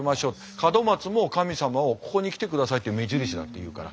門松も神様をここに来てくださいっていう目印だっていうから。